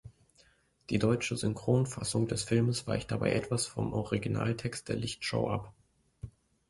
Die deutsche Synchronfassung des Filmes weicht dabei etwas vom Originaltext der Lichtshow ab.